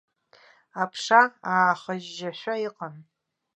Аԥша аахыжьжьашәа иҟан.